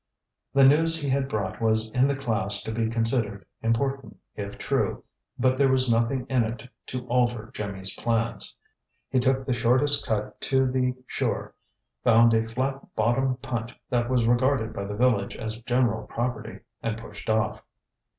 The news he had brought was in the class to be considered important if true, but there was nothing in it to alter Jimmy's plans. He took the shortest cut to the shore, found a fiat bottomed punt that was regarded by the village as general property, and pushed off.